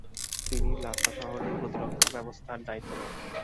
তিনি লাসা শহরের প্রতিরক্ষা ব্যবস্থার দায়িত্ব নেন।